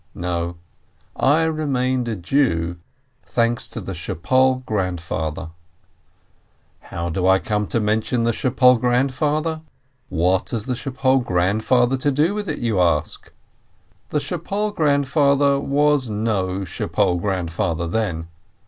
No, I remained a Jew thanks to the Schpol Grand father. How do I come to mention the Schpol Grandfather? What has the Schpol Grandfather to do with it, you ask ? The Schpol Grandfather was no Schpol Grandfather then.